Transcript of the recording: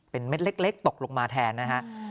เป็นเม็ดเล็กตกลงมาแทนนะฮะ